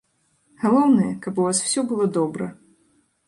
Галоўнае, каб у вас усё было добра.